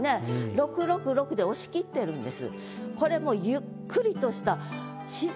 ６・６・６で押し切ってるんです。